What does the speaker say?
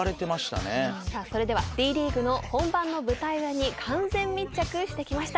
さあそれではＤ．ＬＥＡＧＵＥの本番の舞台裏に完全密着してきました。